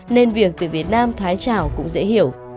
nên việc tuyển việt nam thoái trảo cũng dễ hiểu